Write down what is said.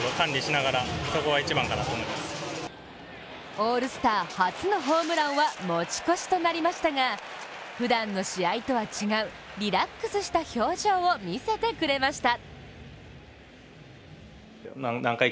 オールスター初のホームランは持ち越しとなりましたがふだんの試合とは違うリラックスした表情を見せてくれました。